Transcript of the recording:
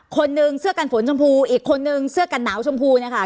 คนนึงเสื้อกันฝนชมพูอีกคนนึงเสื้อกันหนาวชมพูนะคะ